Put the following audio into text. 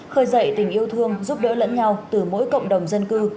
khơi dậy tình yêu thương giúp đỡ lẫn nhau từ mỗi cộng đồng dân cư